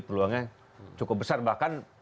peluangnya cukup besar bahkan